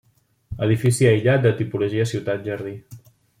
Edifici aïllat de tipologia ciutat-jardí.